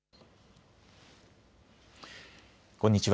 こんにちは。